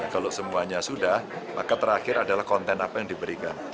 kalau semuanya sudah maka terakhir adalah konten apa yang diberikan